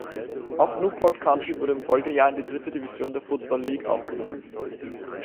Auch Newport County wurde im Folgejahr in die dritte Division der Football League aufgenommen.